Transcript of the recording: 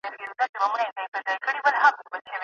که مو روژه وي هم د هغوی په خوښي کي ګډون وکړئ.